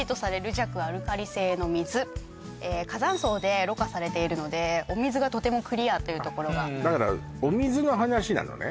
弱アルカリ性の水火山層でろ過されているのでお水がとてもクリアというところがだからお水の話なのね